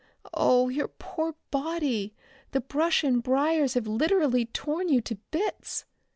Oh, your poor body! The brush and briars have literally torn you to bits."